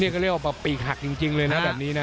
ก็เรียกว่าแบบปีกหักจริงเลยนะแบบนี้นะ